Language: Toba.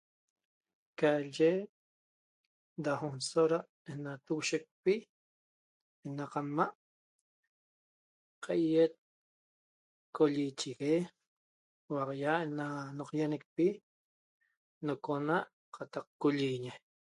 Caiye da dasora't na togueshecpi na qadma' qai'et colliichigue huaxaia't na naqaýanecpi nacona't qataq collliñi